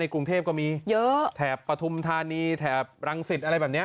กรุงเทพก็มีเยอะแถบปฐุมธานีแถบรังสิตอะไรแบบนี้